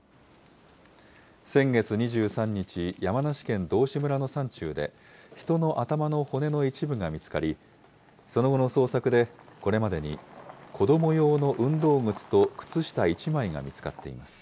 先月２３日、山梨県道志村の山中で、人の頭の骨の一部が見つかり、その後の捜索で、これまでに子ども用の運動靴と靴下１枚が見つかっています。